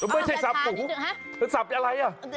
ไม่ใช่สับหมูมันสับอะไรอ่ะ